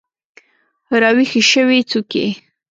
راویښې شوي څوکې